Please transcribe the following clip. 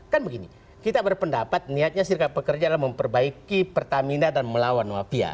kan begini kita berpendapat niatnya serikat pekerja adalah memperbaiki pertamina dan melawan mafia